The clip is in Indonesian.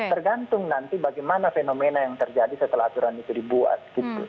tergantung nanti bagaimana fenomena yang terjadi setelah aturan itu dibuat